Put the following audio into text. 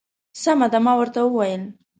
سمه ده. ما ورته وویل.